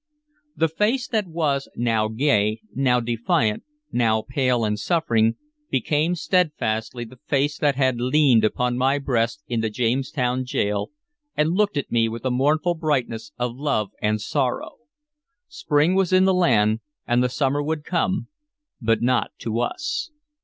The face that was, now gay, now defiant, now pale and suffering, became steadfastly the face that had leaned upon my breast in the Jamestown gaol, and looked at me with a mournful brightness of love and sorrow. Spring was in the land, and the summer would come, but not to us.